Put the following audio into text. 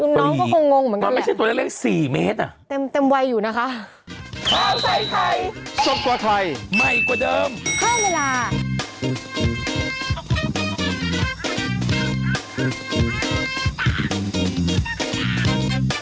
น้องน้องก็คงงงเหมือนกันแหละมันไม่ใช่ตัวเล่นเล่น๔เมตรอ่ะเต็มวัยอยู่นะคะ